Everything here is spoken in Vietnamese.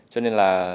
cho nên là